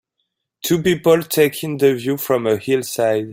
Two people take in the view from a hillside